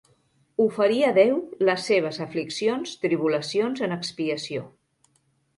Oferir a Déu les seves afliccions, tribulacions, en expiació.